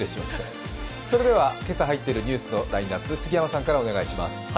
それでは今朝入っているニュースのラインナップ、杉山さんからお願いします。